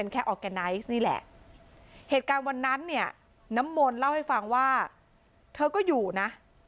นี้แหละเหตุการณ์วันนั้นน้ำมนต์เล่าให้ฟังว่าเธอก็อยู่นะ